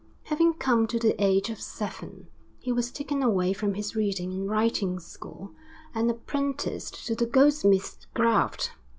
Having come to the age of seven, he was taken away from his reading and writing school and apprenticed to the goldsmith's craft.